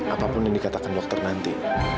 apapun yang dikatakan dokter nanti